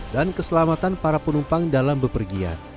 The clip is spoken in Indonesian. dan keselamatan para penumpang dalam bepergian